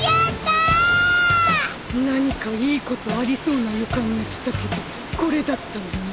何かいいことありそうな予感がしたけどこれだったんだね。